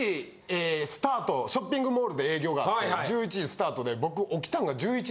ショッピングモールで営業があって１１時スタートで僕。